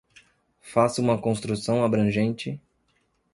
Faça uma construção abrangente